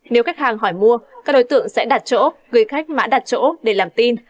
nếu khách hàng hỏi mua các đối tượng sẽ đặt chỗ gửi khách mã đặt chỗ để làm tin